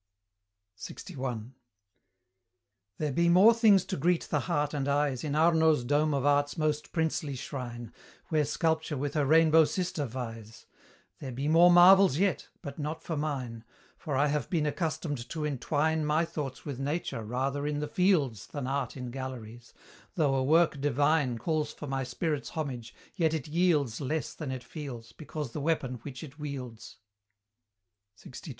LXI. There be more things to greet the heart and eyes In Arno's dome of Art's most princely shrine, Where Sculpture with her rainbow sister vies; There be more marvels yet but not for mine; For I have been accustomed to entwine My thoughts with Nature rather in the fields Than Art in galleries: though a work divine Calls for my spirit's homage, yet it yields Less than it feels, because the weapon which it wields LXII.